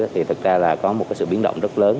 thì thực ra là có một sự biến động rất lớn